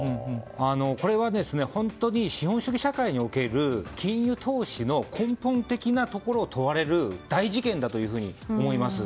これは本当に資本主義社会における金融投資の根本的なところを問われる大事件だと思います。